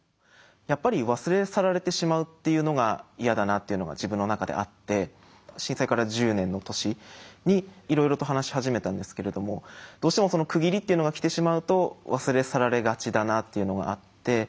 やっぱり忘れ去られてしまうっていうのが嫌だなっていうのが自分の中であって震災から１０年の年にいろいろと話し始めたんですけれどもどうしても区切りっていうのが来てしまうと忘れ去られがちだなっていうのがあって。